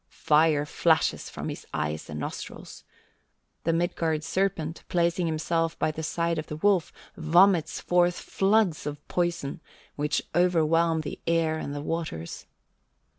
Fire flashes from his eyes and nostrils. The Midgard serpent, placing himself by the side of the wolf, vomits forth floods of poison which overwhelm the air and the waters.